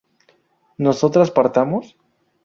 ¿nosotras partamos?